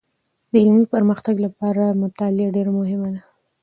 د علمي پرمختګ لپاره مطالعه ډېر مهمه ده.